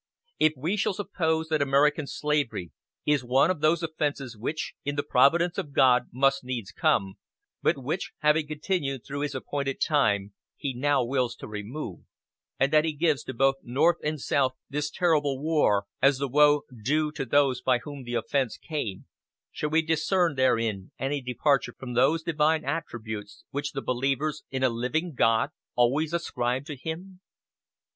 If we shall suppose that American slavery is one of those offenses which, in the providence of God, must needs come, but which, having continued through his appointed time, he now wills to remove, and that he gives to both North and South this terrible war, as the woe due to those by whom the offense came, shall we discern therein any departure from those divine attributes which the believers in a living God always ascribe to him?